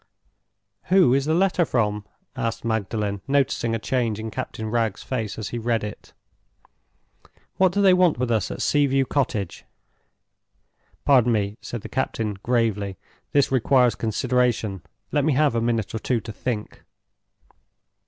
"Who is the letter from?" asked Magdalen, noticing a change in Captain Wragge's face as he read it. "What do they want with us at Sea view Cottage?" "Pardon me," said the captain, gravely, "this requires consideration. Let me have a minute or two to think."